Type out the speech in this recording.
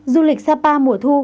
du lịch sapa mùa thu